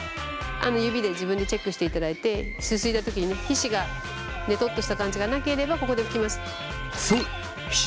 指で自分でチェックしていただいてすすいだ時にね皮脂がねとっとした感じがなければここで拭きます。